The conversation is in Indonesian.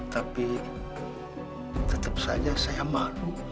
tapi tetap saja saya malu